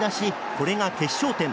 これが決勝点。